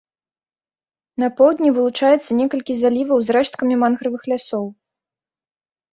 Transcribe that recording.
На поўдні вылучаецца некалькі заліваў з рэшткамі мангравых лясоў.